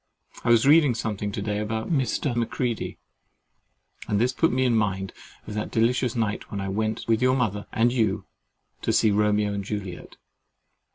I was reading something about Mr. Macready to day, and this put me in mind of that delicious night, when I went with your mother and you to see Romeo and Juliet.